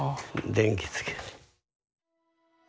電気つけて。